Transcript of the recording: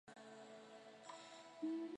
卓颖思。